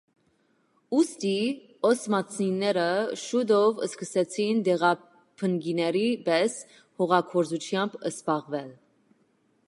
Ուստի, օսմանցիները շուտով սկսեցին տեղաբնկիների պես հողագործությամբ զբաղվել։